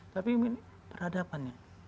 tapi ini peradabannya